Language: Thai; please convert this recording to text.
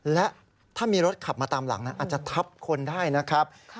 และถ้ามีรถขับมาตามหลังอาจจะทับคนได้นะครับ